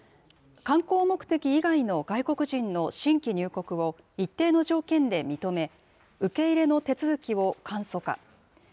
観光目的以外の外国人の新規入国を一定の条件で認め、受け入れの手続きを簡素化。